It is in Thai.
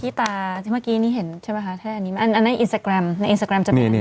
ตาที่เมื่อกี้นี่เห็นใช่ไหมคะแค่อันนี้ไม่อันอันในอินสตาแกรมในอินสตาแกรมจะมี